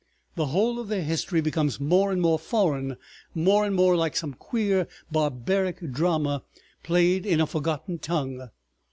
The whole of their history becomes more and more foreign, more and more like some queer barbaric drama played in a forgotten tongue.